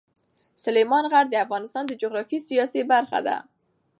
سلیمان غر د افغانستان د سیاسي جغرافیه برخه ده.